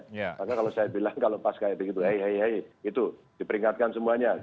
maka kalau saya bilang kalau pas kayak begitu hei hei hei itu diperingatkan semuanya